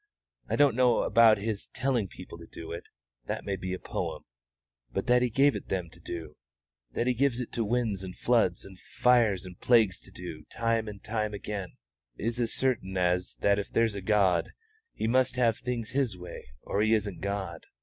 I don't know about His telling people to do it that may be a poem; but that He gave it to them to do, that He gives it to winds and floods and fires and plagues to do, time and time and again, is as certain as that if there's a God He must have things His way or He isn't God.